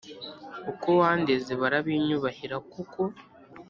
uko wandeze barabinyubahira kuko